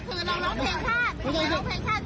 คือเราเล่าเพลงฆาต